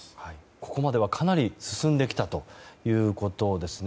ここまではかなり進んできたということですね。